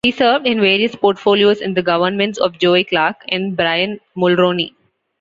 He served in various portfolios in the governments of Joe Clark and Brian Mulroney.